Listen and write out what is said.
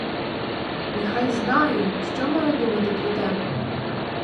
Нехай знаю, що маю думати про тебе?